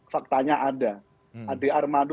faktanya ada adi armandu